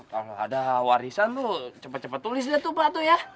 wah kalau ada warisan tuh cepat cepat tulis deh pak